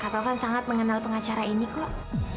pak taufan sangat mengenal pengacara ini kok